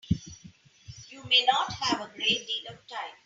You may not have a great deal of time.